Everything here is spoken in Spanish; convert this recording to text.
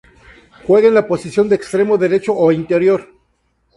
Juega en la posición de extremo derecho o interior.